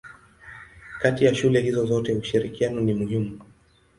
Kati ya shule hizo zote ushirikiano ni muhimu.